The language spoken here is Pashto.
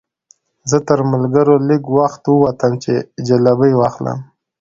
زه تر ملګرو لږ وخته ووتم چې جلبۍ واخلم.